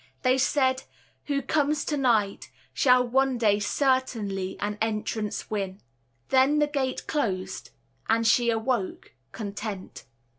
They said, "Who comes to night Shall one day certainly an entrance win;" Then the gate closed and she awoke content.